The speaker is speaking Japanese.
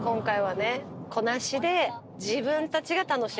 子なしで。